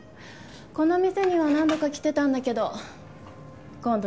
この店には何度か来てたんだけど今度